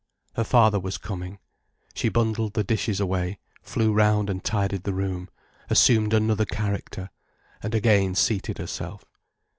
Her father was coming. She bundled the dishes away, flew round and tidied the room, assumed another character, and again seated herself.